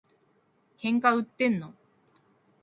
喧嘩売ってんの？